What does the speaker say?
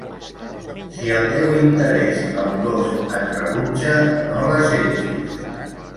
Si el teu interès amorós et rebutja, no l'assetgis.